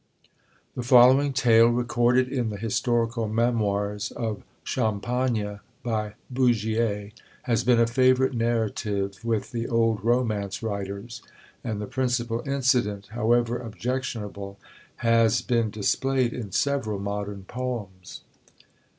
The following tale, recorded in the Historical Memoirs of Champagne, by Bougier, has been a favourite narrative with the old romance writers; and the principal incident, however objectionable, has been displayed in several modern poems.